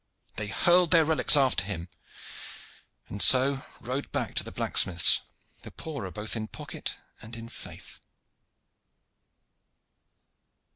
They hurled their relics after him, and so rode back to the blacksmith's the poorer both in pocket and in faith.